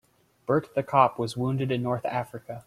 Bert the cop was wounded in North Africa.